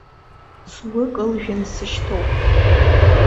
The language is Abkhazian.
Сгәы кылжәан сышьҭоуп.